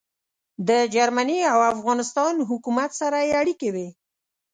د جرمني او افغانستان حکومت سره يې اړیکې وې.